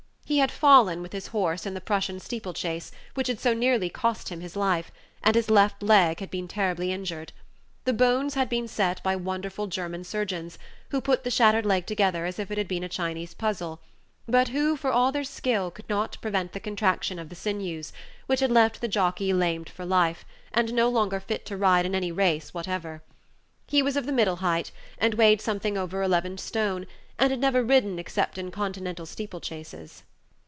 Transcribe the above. He had fallen, with his horse, in the Prussian steeple chase, which had so nearly cost him his life, and his left leg had been terribly injured. The bones had been set by wonderful German surgeons, who put the shattered leg together as if it had been a Chinese puzzle, but who, with all their skill, could not prevent Page 78 the contraction of the sinews, which had left the jockey lamed for life, and no longer fit to ride in any race whatever. He was of the middle height, and weighed something over eleven stone, and had never ridden except in Continental steeple chases.